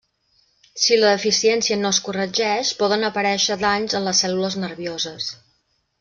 Si la deficiència no es corregeix, poden aparèixer danys en les cèl·lules nervioses.